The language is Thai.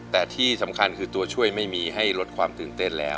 แต่ที่สำคัญคือตัวช่วยไม่มีให้ลดความตื่นเต้นแล้ว